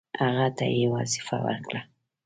هغه ته یې وظیفه ورکړه.